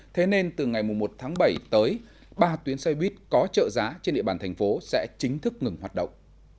thế nên từ ngày một tháng bảy tới ba tuyến xe buýt có trợ giá trên địa bàn thành phố sẽ chính thức ngừng hoạt động